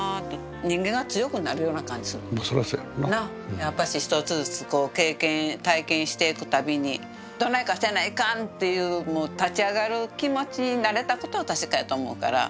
やっぱし一つずつこう経験体験していく度にどないかせないかんっていう立ち上がる気持ちになれたことは確かやと思うから。